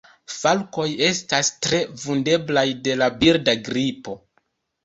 Falkoj estas tre vundeblaj de la birda gripo.